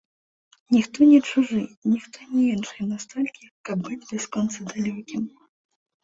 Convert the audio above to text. Ніхто не чужы, ніхто не іншы настолькі, каб быць бясконца далёкім.